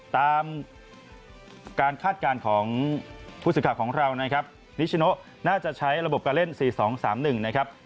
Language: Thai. ตามการคาดการณ์ของผู้สื่อข่าวของเรานะครับนิชโนน่าจะใช้ระบบการเล่น๔๒๓๑นะครับ